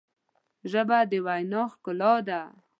ژبه د وینا ښکلا ده